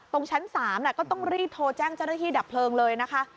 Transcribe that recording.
ตรงชั้น๓ก็ต้องรีบโทรแจ้งเจ้าหน้าที่ดับเพลิงเลยนะคะ